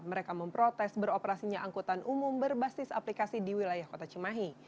mereka memprotes beroperasinya angkutan umum berbasis aplikasi di wilayah kota cimahi